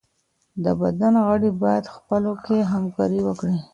د بدن غړي بايد خپلو کي همکاري وکړي.